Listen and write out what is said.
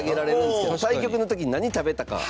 高橋：対局の時に何食べたか。